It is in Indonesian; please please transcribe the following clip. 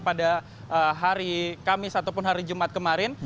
pada hari kamis ataupun hari jumat kemarin